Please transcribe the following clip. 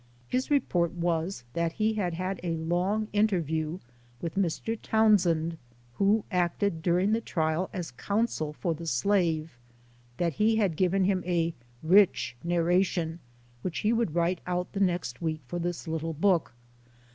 His report was, that he had had a long in terview with Mr. Townsend, who acted during the trial as counsel for the slave, that he had given him a " rich narration," which he would write out the next week for this little book.